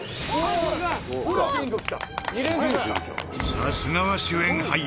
さすがは主演俳優。